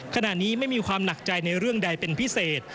ขณะนี้ไม่มีความหนักใจในเรื่องใดเป็นพิเศษ